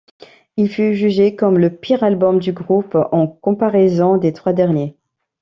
Il fut jugé comme le pire album du groupe en comparaison des trois derniers.